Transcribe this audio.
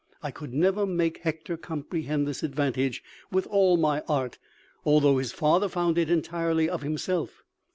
I never could make Hector comprehend this advantage with all my art, although his father found it out entirely of himself.